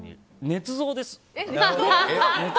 ねつ造です。